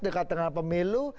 dekat dengan pemilu